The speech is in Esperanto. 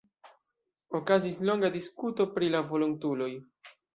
Okazis longa diskuto pri la volontuloj.